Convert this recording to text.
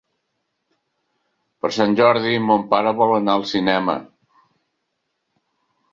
Per Sant Jordi mon pare vol anar al cinema.